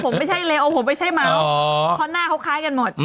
ผมไม่ใช่เลโอผมไม่ใช่เมาเพราะหน้าเขาคล้ายกันหมด